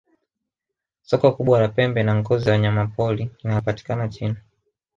soko kubwa la pembe na ngozi za wanyamapori linalopatikana china